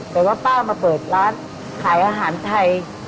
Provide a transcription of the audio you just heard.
แต่ว่าป้ามาเปิดร้านขายอาหารไทย